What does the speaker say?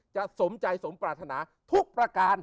สมใจสมปรารถนาทุกประการ